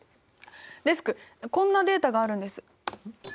デスクこんなデータがあるんです。